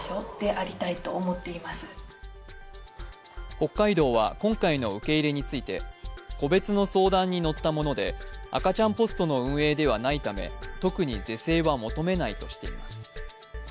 北海道は今回の受け入れについて、個別の相談にのったもので、赤ちゃんポストの運営ではないため特に是正は求めないとしています。